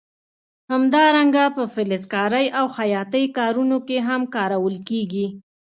همدارنګه په فلزکارۍ او خیاطۍ کارونو کې هم کارول کېږي.